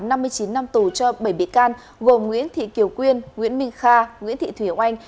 năm mươi chín năm tù cho bảy bị can gồm nguyễn thị kiều quyên nguyễn minh kha nguyễn thị thùy oanh